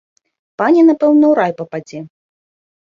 Пані напэўна ў рай пападзе.